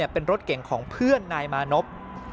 เป็นรถเก่งของเพื่อนนายมานพ